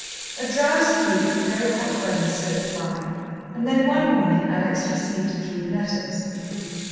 A drowsy week of very hot weather slipped by, and then one morning Alex received three letters.